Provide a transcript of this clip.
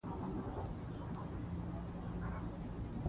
کولمو بکتریاوې یوازې هضم لپاره نه دي.